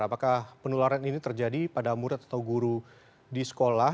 apakah penularan ini terjadi pada murid atau guru di sekolah